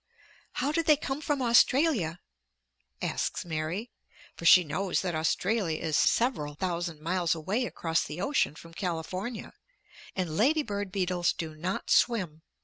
"How did they come from Australia?" asks Mary. For she knows that Australia is several thousand miles away across the ocean from California, and lady bird beetles do not swim.